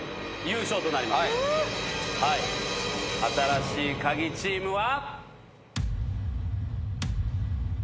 新しいカギチームは。